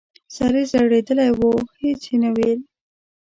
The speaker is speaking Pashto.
سر یې ځړېدلی و هېڅ یې نه ویل !